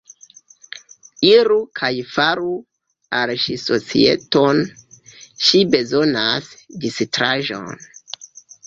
Iru kaj faru al ŝi societon; ŝi bezonas distraĵon.